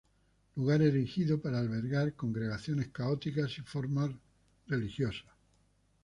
Lugar erigido para albergar congregaciones católicas y formar religiosos.